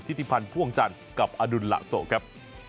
ธิติพันธ์พ่วงจันทร์กับอดุลละโสครับ